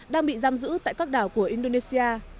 đang bị giam giữ tại các đảo của indonesia